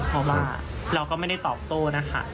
เพราะว่าเราก็ไม่ได้ตอบโต้นะคะ